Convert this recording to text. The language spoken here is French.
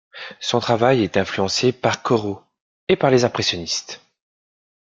Son travail est influencé par Corot et par les impressionnistes.